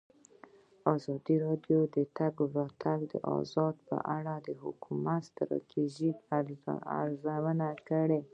ازادي راډیو د د تګ راتګ ازادي په اړه د حکومتي ستراتیژۍ ارزونه کړې.